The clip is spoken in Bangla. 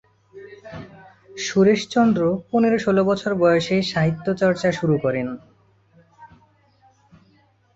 সুরেশচন্দ্র পনেরো-ষোল বছর বয়সেই সাহিত্যচর্চা শুরু করেন।